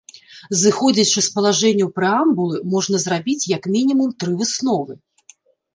Зыходзячы з палажэнняў прэамбулы, можна зрабіць як мінімум тры высновы.